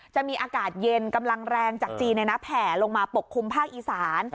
จะมีอากาศเย็นกำลังแรงจากจีนแผ่ลงมาปกคลุมภาคอีสาน